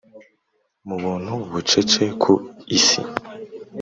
mu buntu bucece ku isi.